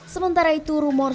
sementara itu rumor